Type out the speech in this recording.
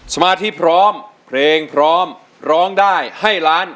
สมาธิพร้อมเพลงพร้อมร้องได้ให้ล้าน